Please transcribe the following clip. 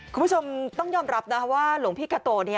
คุณผู้ชมต้องยอมรับนะว่าหลวงพี่กาโต